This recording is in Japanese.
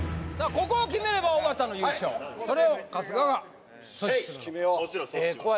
ここを決めれば尾形の優勝それを春日が阻止するへい！